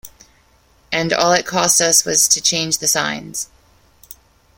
And all it cost us was to change the signs.